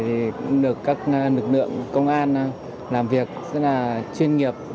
được các lực lượng công an làm việc rất là chuyên nghiệp